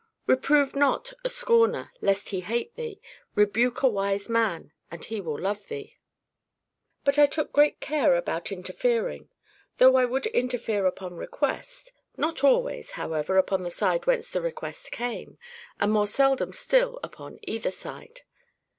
"Reprove not a scorner, lest he hate thee; rebuke a wise man, and he will love thee." But I took great care about INTERFERING; though I would interfere upon request—not always, however, upon the side whence the request came, and more seldom still upon either side.